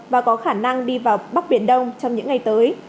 và có khả năng đi vào bắc biển đông trong những ngày tới